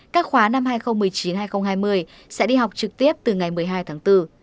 các khóa năm hai nghìn một mươi chín hai nghìn hai mươi sẽ đi học trực tiếp từ ngày một mươi hai tháng bốn